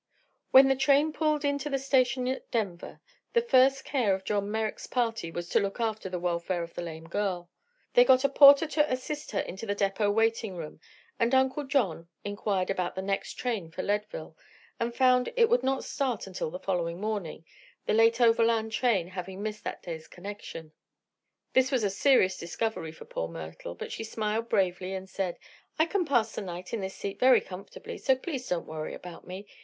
When the train pulled into the station at Denver the first care of John Merrick's party was to look after the welfare of the lame girl. They got a porter to assist her into the depot waiting room and then Uncle John inquired about the next train for Leadville, and found it would not start until the following morning, the late overland train having missed that day's connections. This was a serious discovery for poor Myrtle, but she smiled bravely and said: "I can pass the night in this seat very comfortably, so please don't worry about me.